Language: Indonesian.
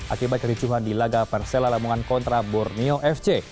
akibat kericuhan di laga persela lamongan kontra borneo fc